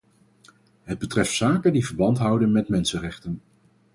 Het betreft zaken die verband houden met mensenrechten.